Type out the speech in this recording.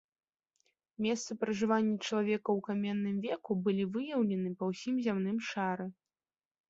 Месцы пражывання чалавека ў каменным веку былі выяўленыя па ўсім зямным шары.